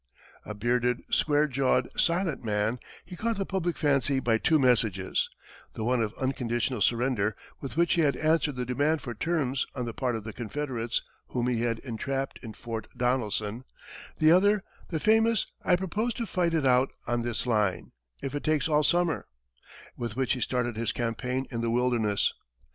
A bearded, square jawed, silent man, he caught the public fancy by two messages, the one of "Unconditional surrender," with which he had answered the demand for terms on the part of the Confederates whom he had entrapped in Fort Donelson; the other, the famous: "I propose to fight it out on this line, if it takes all summer," with which he started his campaign in the Wilderness.